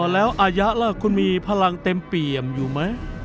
แล้วอายะล่ะคุณมีพลังเต็มเปี่ยมอยู่ไหม